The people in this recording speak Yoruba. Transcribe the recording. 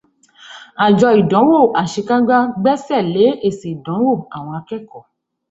Àjọ ìdáwò àṣekágbá gbẹ́sẹ̀ lé èsì ìdánwò àwọn akẹ́kọ̀ọ́.